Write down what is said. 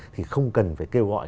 thì không cần phải kêu gọi